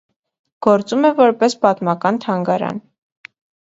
Գործում է որպես պատմական թանգարան։